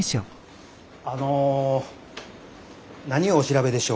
あの何をお調べでしょうか？